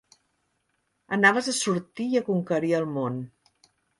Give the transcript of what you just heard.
Anaves a sortir i a conquerir el món!